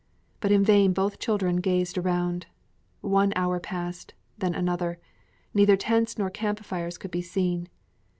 But in vain both children gazed around. One hour passed, then another; neither tents nor camp fires could be seen.